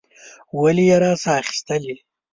ولي یې راڅخه اخیستلې؟